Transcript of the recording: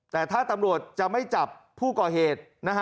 แต่ถ้าตำรวจจะไม่จับผู้ก่อเหตุ